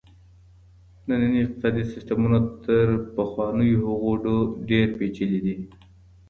ننني اقتصادي سيستمونه تر پخوانيو هغو ډېر پېچلي دي.